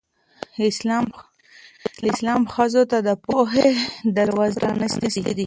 اسلام ښځو ته د پوهې دروازه پرانستې ده.